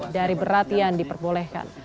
dari beratian diperbolehkan